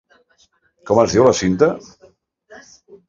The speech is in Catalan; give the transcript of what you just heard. Com es diu la cinta?